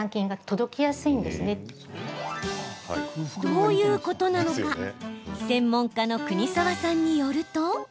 どういうことなのか専門家の國澤さんによると。